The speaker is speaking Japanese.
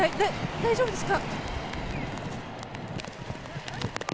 大丈夫ですか。